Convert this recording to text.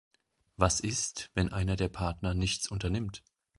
Was ist, wenn einer der Partner nichts unternimmt?